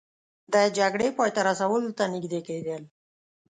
د جګړې پای ته رسولو ته نژدې کیدل